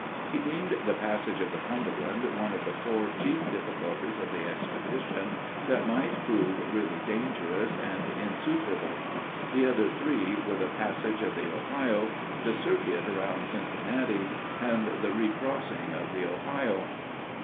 He deemed the passage of the Cumberland one of the four chief difficulties of the expedition that might prove really dangerous and insuperable; the other three were the passage of the Ohio, the circuit around Cincinnati, and the recrossing of the Ohio.